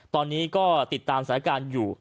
ตอนนี้ก็ติดตามสถานการณ์อยู่